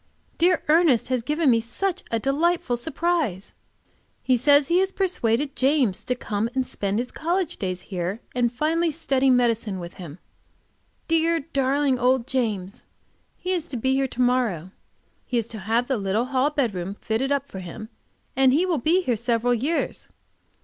Dear Ernest has given me such a delightful surprise! He says he has persuaded James to come and spend his college days here, and finally study medicine with him. Dear, darling old James! He is to be here to morrow. He is to have the little hall bedroom fitted up for him, and he will be here several years.